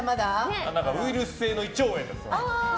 ウイルス性の胃腸炎だそうで。